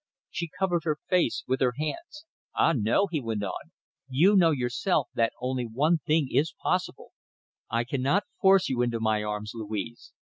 She covered her face with her hands. "Ah, no!" he went on. "You know yourself that only one thing is possible. I cannot force you into my arms, Louise.